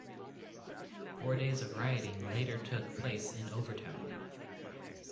Four days of rioting later took place in Overtown.